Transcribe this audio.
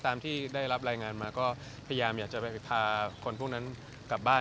ตามที่ได้รับรายงานมาก็พยายามอยากจะไปพาคนพวกนั้นกลับบ้าน